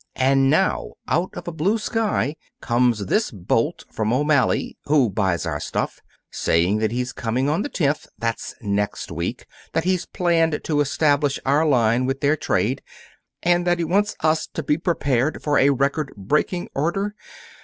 And now, out of a blue sky, comes this bolt from O'Malley, who buys our stuff, saying that he's coming on the tenth that's next week that he's planned to establish our line with their trade, and that he wants us to be prepared for a record breaking order.